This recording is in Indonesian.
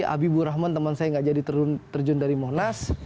abi bu rahman teman saya tidak jadi terjun dari monas